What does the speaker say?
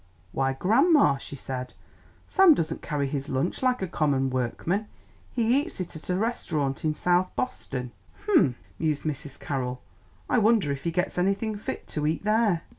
"Why, grandma," she said, "Sam doesn't carry his lunch like a common workman. He eats it at a restaurant in South Boston." "Hum!" mused Mrs. Carroll, "I wonder if he gets anything fit to eat there?